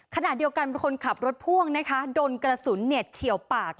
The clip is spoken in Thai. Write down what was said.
ขณะเดียวกันคนขับรถพ่วงนะคะโดนกระสุนเฉียวปาก